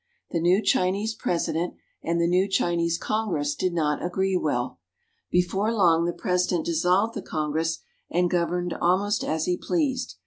The new Chi nese President and the new Chinese Congress did not agree well. Before long the President dissolved the Con gress and governed almost as he pleased.